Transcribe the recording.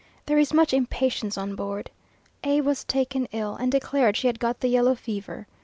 There is much impatience on board. A was taken ill, and declared she had got the yellow fever.